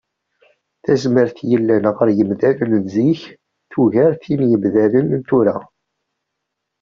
Tazmert yellan ɣer yemdanen n zik, tugart tin n yemdanen n tura